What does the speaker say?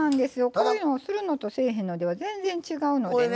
こういうのをするのとせえへんのでは全然違うのでね。